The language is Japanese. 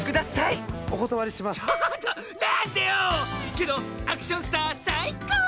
けどアクションスターさいこう！